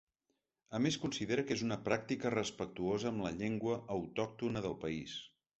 A més considera que és una pràctica respectuosa amb la llengua autòctona del país.